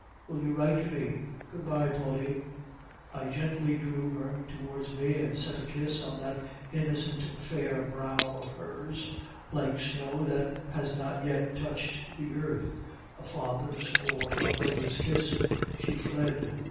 "'Will you write to me?' "'Good bye, Pauline.' "I gently drew her towards me, and set a kiss on that innocent fair brow of hers, like snow that has not yet touched the earth a father's or a brother's kiss. She fled.